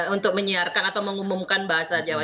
untuk menyiarkan atau mengumumkan bahasa jawa